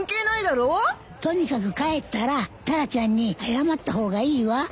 とにかく帰ったらタラちゃんに謝った方がいいわ。